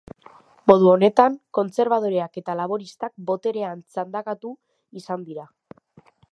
Modu honetan, kontserbadoreak eta laboristak boterean txandakatu izan dira.